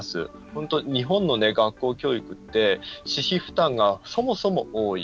本当、日本の学校教育って私費負担が、そもそも多い。